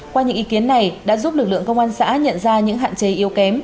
qua những ý kiến này đã giúp lực lượng công an xã nhận ra những hạn chế yếu kém